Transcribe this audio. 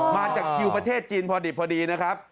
มาจากคิวประเทศจีนพอดีนะครับ